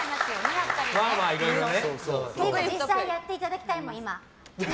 だって、実際にやっていただきたいもん、今。